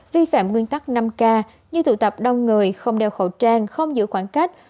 vi phạm nguyên tắc năm k như tụ tập đông người không đeo khẩu trang không giữ khoảng cách